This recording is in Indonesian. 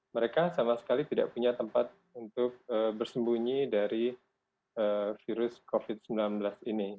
mereka sama sekali tidak punya tempat untuk bersembunyi dari virus covid sembilan belas ini